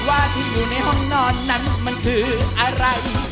ว่าที่อยู่ในห้องนอนนั้นมันคืออะไร